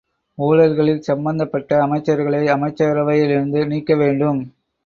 ஊழல்களில் சம்பந்தப்பட்ட அமைச்சர்களை அமைச்சரவையிலிருந்து நீக்கவேண்டும்.